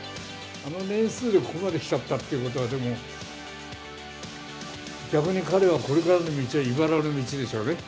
あの年数でここまできちゃったということは、でも逆に彼はこれからの道は、いばらの道でしょうね。